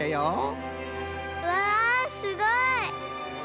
うわすごい！